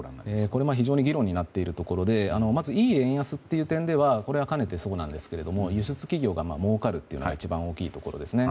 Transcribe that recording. これは非常に議論になっているところでまず、いい円安という点ではこれはかねてからそうですが輸出企業がもうかるというのが一番大きいところですね。